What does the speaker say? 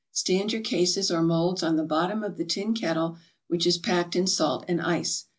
Stand your cases or molds on the bottom of the tin kettle, which is packed in salt and ice.